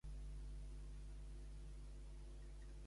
De quina forma pot treure profit l'estat espanyol?